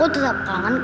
ada sama empak